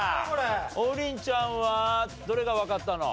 王林ちゃんはどれがわかったの？